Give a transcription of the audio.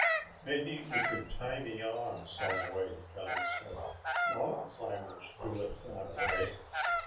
"Maybe we could tie me on some way," Johnny said. "Mountain climbers do it that way."